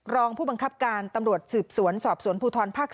รองผู้บังคับการตำรวจสืบสวนสอบสวนภูทรภาค๔